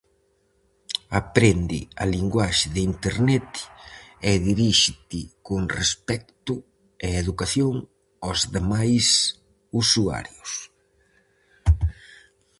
Aprende a linguaxe de Internet e diríxete con respecto e educación aos demais usuarios.